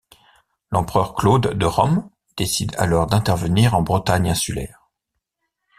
L'empereur Claude de Rome décide alors d'intevenir en Bretagne insulaire.